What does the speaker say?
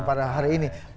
pada hari ini